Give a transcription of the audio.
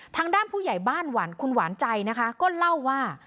ทางด้านผู้ใหญ่บ้านหวานคุณหวานใจนะคะก็เล่าว่า